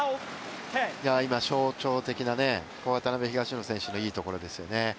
象徴的な渡辺・東野選手のいいところですよね。